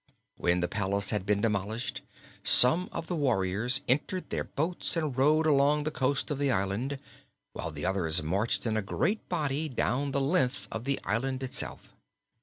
When the palace had been demolished, some of the warriors entered their boats and rowed along the coast of the island, while the others marched in a great body down the length of the island itself.